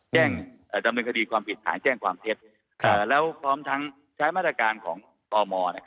แจ้งดำเนินคดีความผิดฐานแจ้งความเท็จแล้วพร้อมทั้งใช้มาตรการของตม